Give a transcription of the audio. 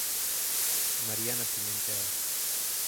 Mariana Pimentel